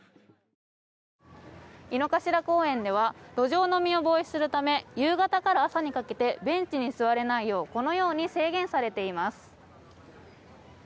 井の頭公園では路上飲みを防止するため夕方から朝にかけてベンチに座れないようこのように制限されています。